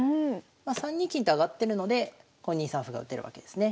まあ３二金と上がってるのでここに２三歩が打てるわけですね。